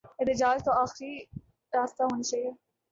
احتجاج تو آخری راستہ ہونا چاہیے۔